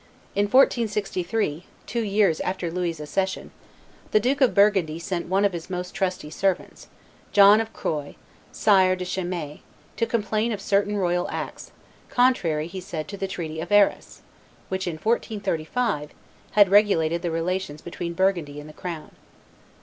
In 1463, two years after Louis's accession, the Duke of Burgundy sent one of his most trusty servants, John of Croy, Sire de Chimay, to complain of certain royal acts, contrary, he said, to the treaty of Arras, which, in 1435, had regulated the relations between Burgundy and the crown.